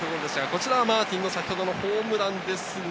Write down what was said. こちらはマーティンの先ほどのホームランです。